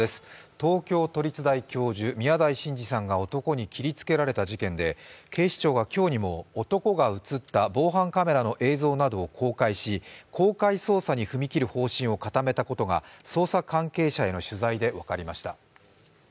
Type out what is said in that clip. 東京都立大学教授、宮台真司さんが男に切りつけられた事件で、警視庁が今日にも、男が映った防犯カメラの映像などを公開し、公開捜査に踏み切る方針を固めたことが捜査関係者への取材で分かりました。